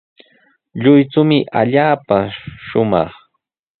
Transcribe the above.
Lluychumi allaapa shumaq.